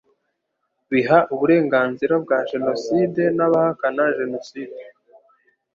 biha uburenganzira bwa jenoside n'abahakana jenoside